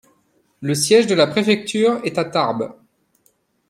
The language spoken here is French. Le siège de la préfecture est à Tarbes.